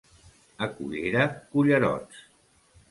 A Cullera, cullerots.